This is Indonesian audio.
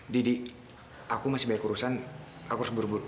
didi aku masih balik urusan aku harus berburu buru